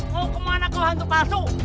ngok kemana kau hantu palsu